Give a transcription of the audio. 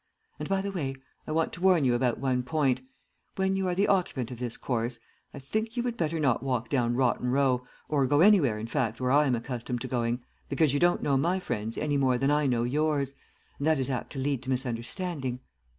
And, by the way, I want to warn you about one point. When you are the occupant of this corse, I think you would better not walk down Rotten Row, or go anywhere in fact where I am accustomed to going, because you don't know my friends any more than I know yours, and that is apt to lead to misunderstanding.